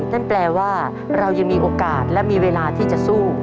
นั่นแปลว่าเรายังมีโอกาสและมีเวลาที่จะสู้